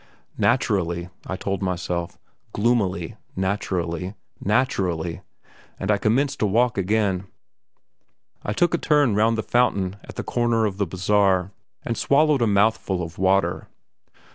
Naturally, I told myself, gloomily naturally, naturally; and I commenced to walk again. I took a turn round the fountain at the corner of the bazaar, and swallowed a mouthful of water.